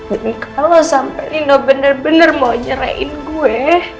jadi kalau sampai nino bener bener mau nyerahin gue